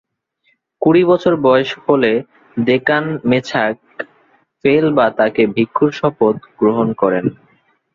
কুড়ি বছর বয়স হলে দ্কোন-ম্ছোগ-'ফেল-বা তাকে ভিক্ষুর শপথ গ্রহণ করেন।